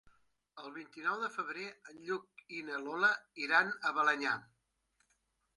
El vint-i-nou de febrer en Lluc i na Lola iran a Balenyà.